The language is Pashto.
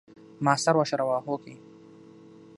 ما سر وښوراوه هوکې.